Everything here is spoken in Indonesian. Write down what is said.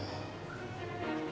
gue harus memikirkan